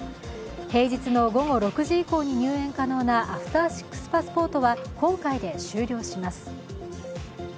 平日の午後６時以降に入園可能なアフター６パスポートは今回で終了します。